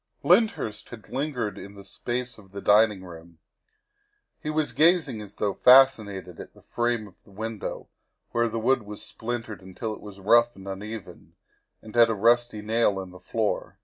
'' Lyndhurst had lingered in the space off the dining room. He was gazing as though fascinated at the frame of the window where the wood was splintered until it was rough and uneven, and at a rusty nail in the floor.